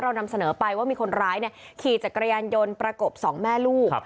นำเสนอไปว่ามีคนร้ายขี่จักรยานยนต์ประกบสองแม่ลูก